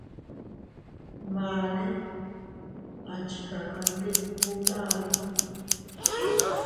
Mane a chikakandiku dami.